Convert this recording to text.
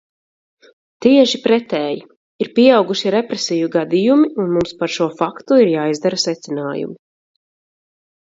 Tieši pretēji, ir pieauguši represiju gadījumi, un mums par šo faktu ir jāizdara secinājumi.